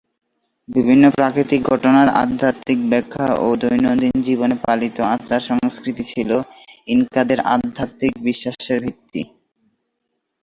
বিভিন্ন প্রাকৃতিক ঘটনার আধ্যাত্মিক ব্যাখ্যা ও দৈনন্দিন জীবনে পালিত আচার- সংস্কৃতি ছিল ইনকাদের আধ্যাত্মিক বিশ্বাসের ভিত্তি।